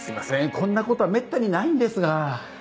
こんなことはめったにないんですが。